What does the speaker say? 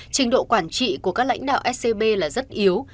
trình độ quản trị của các lãnh đạo scb là rất yếu